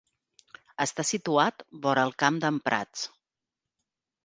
Està situat vora el Camp d'en Prats.